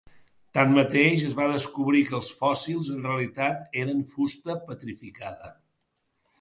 Tanmateix, es va descobrir que els fòssils en realitat eren fusta petrificada.